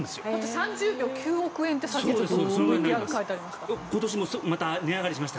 ３０秒９億円ってさっきＶＴＲにありました。